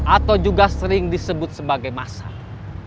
atau juga sering disebut sebagai masalah